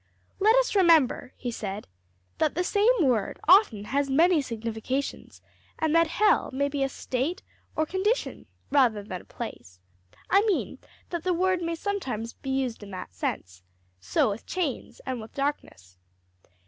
"Let us remember," he said, "that the same word often has many significations, and that hell may be a state or condition rather than a place I mean that the word may be sometimes used in that sense: so with chains and with darkness."